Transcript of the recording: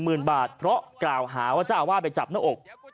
หมื่นบาทเพราะกล่าวหาว่าเจ้าอาวาสไปจับหน้าอก